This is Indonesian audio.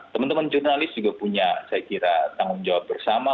teman teman jurnalis juga punya saya kira tanggung jawab bersama